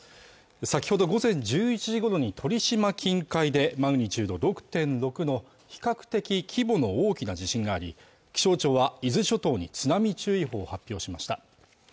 先ほど午前１１時ごろに鳥島近海でマグニチュード６．６の比較的規模の大きな地震があり気象庁は伊豆諸島に津波注意報を発表しました